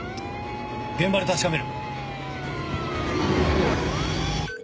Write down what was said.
現場で確かめる。